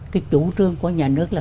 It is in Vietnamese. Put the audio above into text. cái chủ trương của nhà nước